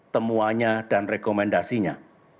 temuannya dan rekomendasinya